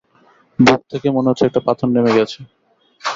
বুক থেকে মনে হচ্ছে একটা পাথর নেমে গেছে!